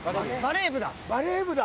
バレー部だ。